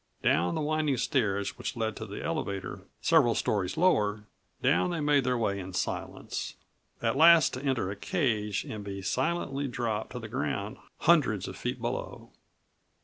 Down the winding stairs19 which led to the elevator several stories lower down they made their way in silence, at last to enter a cage and be silently dropped to the ground hundreds of feet below.